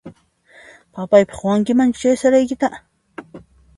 Papayqaq quwankimanchu chay saraykita?